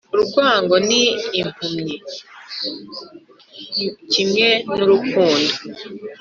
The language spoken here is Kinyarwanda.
urwango ni impumyi, kimwe n'urukundo.